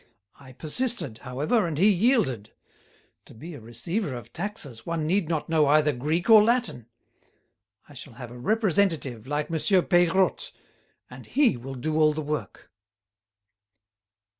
I persisted, however, and he yielded. To be a receiver of taxes one need not know either Greek or Latin. I shall have a representative, like Monsieur Peirotte, and he will do all the work."